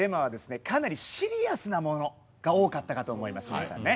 皆さんね。